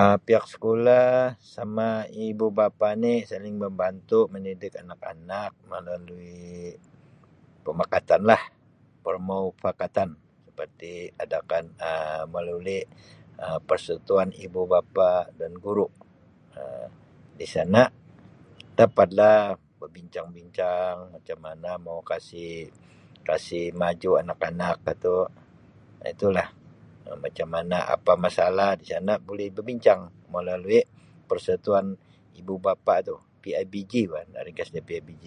Um Pihak sekolah sama ibu bapa ni saling membantu mendidik anak-anak melalui permuafakatan lah. Permuafakatan seperti adakan Um melalui Um persatuan ibu bapa dan guru Um di sana dapat lah berbincang-bincang macam mana mau kasi-kasi maju anak-anak itu, Um itulah Um apa masalah di sana boleh berbincang melalui persatuan ibu bapa itu, PIBG bah, ringkasnya PIBG.